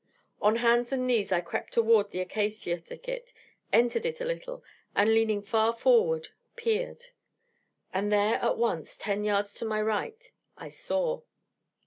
On hands and knees I crept toward the acacia thicket, entered it a little, and leaning far forward, peered. And there at once ten yards to my right I saw.